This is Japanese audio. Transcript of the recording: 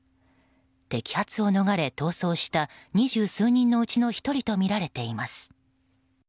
摘発を逃れ、逃走した二十数人のうちの１人とみられています。